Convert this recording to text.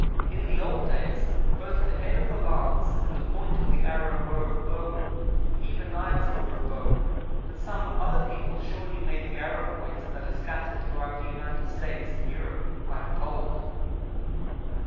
In the old days, both the head of the lance and the point of the arrow were of bone; even knives were of bone, but some other people surely made the arrow points that are scattered throughout the United States and Europe, I am told.